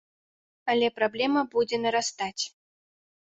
Але праблема будзе нарастаць.